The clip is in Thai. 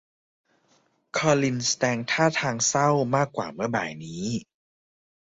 คอลินแสดงท่าทางเศร้ามากกว่าเมื่อบ่ายนี้